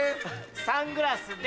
サングラスで。